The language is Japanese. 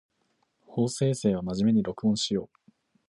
法政生は真面目に録音しよう